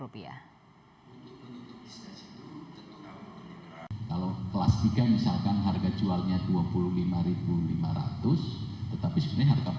kalau kelas tiga misalkan